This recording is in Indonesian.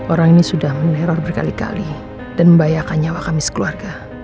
orang ini sudah meneror berkali kali dan membahayakan nyawa kami sekeluarga